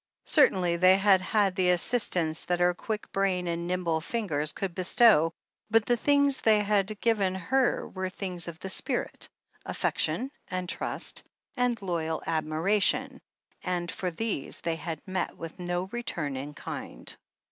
Certainly they had had the assistance that her quick brain and nimble fingers could bestow, but the things that they had given her were things of the spirit — affection, and trust, and loyal admiration, and for these they had met with no return in kind.